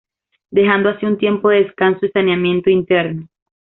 Dejando así un tiempo de descanso y saneamiento interno.